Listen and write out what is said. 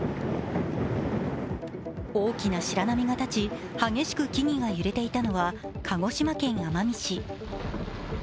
大きな白波が立ち、激しく木々が揺れていたのは鹿児島県奄美市。